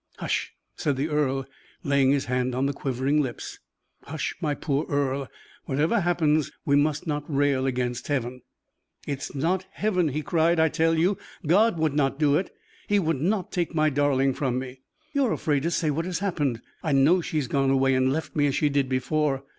"Hush," said the earl, laying his hand on the quivering lips; "hush, my poor Earle. Whatever happens, we must not rail against Heaven." "It is not Heaven," he cried. "I tell you, God would not do it. He would not take my darling from me. You are afraid to say what has happened. I know she has gone away and left me, as she did before.